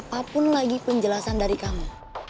apapun lagi penjelasan dari kamu